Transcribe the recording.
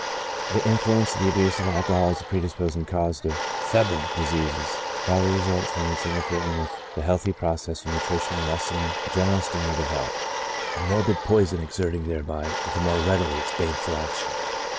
This influence of the abuse of alcohol as a pre disposing cause to febrile diseases probably results from its interfering with the healthy process of nutrition and lessen ing the general standard of health j a morbid poison exert ing thereby the more readily its baneful action.